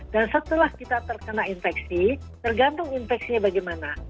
dan setelah kita terkena infeksi tergantung infeksinya bagaimana